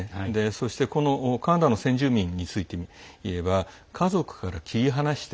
そしてカナダの先住民については家族から切り離して